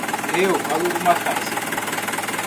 Eu alugo uma casa.